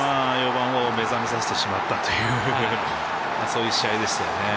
４番を目覚めさせてしまったという試合ですよね。